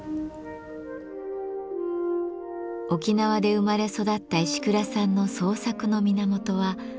沖縄で生まれ育った石倉さんの創作の源は身近な自然です。